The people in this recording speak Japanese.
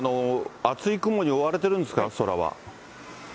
厚い雲に覆われてるんですか？